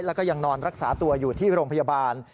แล้วก็ยังนอนรักษาตัวอยู่ที่โรงพยาบาล